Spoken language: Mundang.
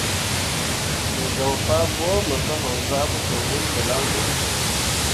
Me joŋ fah gwǝ mor ka haozah pǝ cok wul dǝlaŋ ɓe.